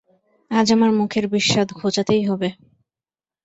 আজ আমার মুখের বিস্বাদ ঘোচাতেই হবে।